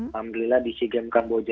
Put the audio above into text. alhamdulillah di sea games kamboja